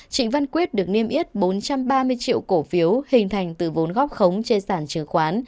trịnh văn quyết được niêm yết bốn trăm ba mươi triệu cổ phiếu hình thành từ vốn góp khống trên sản chứng khoán